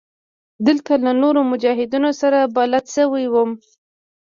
دلته له نورو مجاهدينو سره بلد سوى وم.